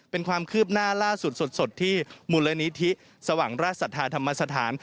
เป็นความคืบหน้าล่าสุดสดที่มูลนิธิสว่างราชศรัทธาธรรมสถาน